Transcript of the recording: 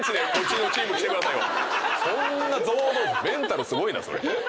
そんな堂々とメンタルすごいなそれ。